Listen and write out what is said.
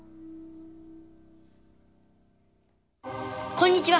こんにちは。